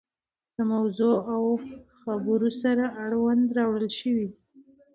له موضوع او خبور سره اړوند راوړل شوي دي.